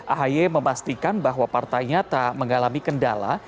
ahaya memastikan bahwa partai nyata mengalami kendala